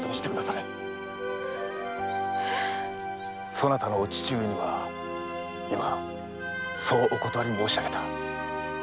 ⁉そなたのお父上には今そうお断り申し上げた。